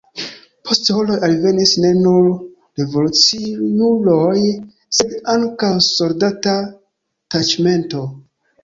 Post horoj alvenis ne nur revoluciuloj, sed ankaŭ soldata taĉmento.